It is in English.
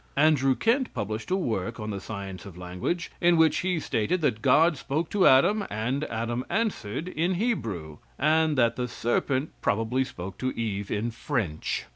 Andrew Kent published a work on the science of language, in which he stated that God spoke to Adam, and Adam answered, in Hebrew, and that the serpent probably spoke to Eve in French.